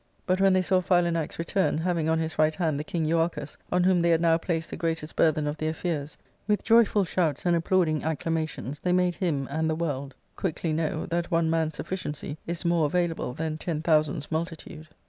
But when they saw Philanax return, having on his right hand the king Euarchus, on whom they had now placed the greatest burthen of their fears, with joyful shouts and applauding acclamations they made him and the world quickly know that one man's sufficiency is more available than ten thousands' multitude.